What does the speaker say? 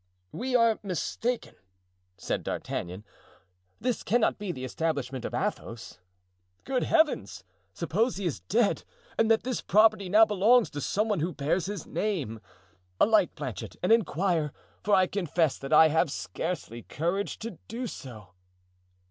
"We are mistaken," said D'Artagnan. "This cannot be the establishment of Athos. Good heavens! suppose he is dead and that this property now belongs to some one who bears his name. Alight, Planchet, and inquire, for I confess that I have scarcely courage so to do."